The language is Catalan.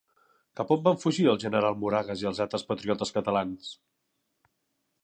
Cap on van fugir el General Moragues i altres patriotes catalans?